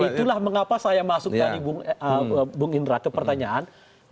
itulah mengapa saya masuk tadi bung indra ke pertanyaan